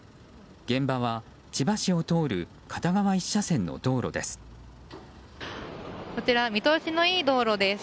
現場は千葉市を通る片側１車線の道路です。